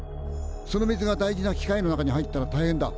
その水が大事な機械の中に入ったら大変だ。